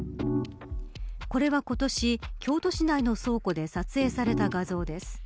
これは今年、京都市内の倉庫で撮影された画像です。